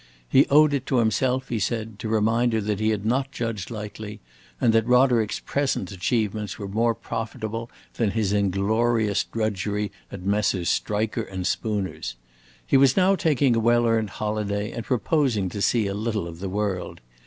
He owed it to himself, he said, to remind her that he had not judged lightly, and that Roderick's present achievements were more profitable than his inglorious drudgery at Messrs. Striker & Spooner's. He was now taking a well earned holiday and proposing to see a little of the world.